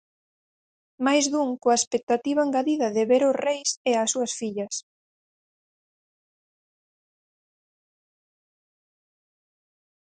Máis dun coa expectativa engadida de ver os Reis e as súas fillas.